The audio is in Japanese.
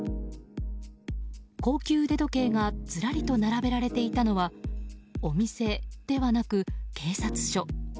高級腕時計がずらりと並べられていたのはお店ではなく警察署。